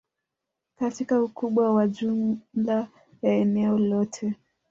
katika ukubwa wa jumla ya eneo lote